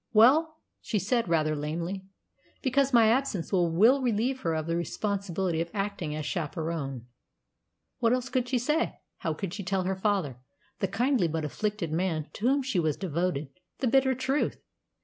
"Well," she said rather lamely, "because my absence will relieve her of the responsibility of acting as chaperon." What else could she say? How could she tell her father the kindly but afflicted man to whom she was devoted the bitter truth?